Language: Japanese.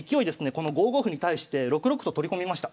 この５五歩に対して６六歩と取り込みました。